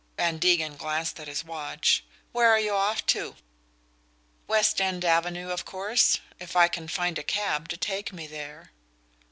Van Degen glanced at his watch. "Where are you off to?" "West End Avenue, of course if I can find a cab to take me there."